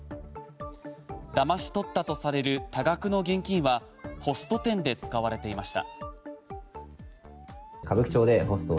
だまし取ったとされる多額の現金はホスト店で使われていました。